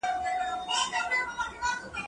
مړۍ د مور له خوا خوراک کيږي،